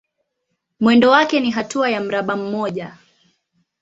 Mwendo wake ni hatua ya mraba mmoja.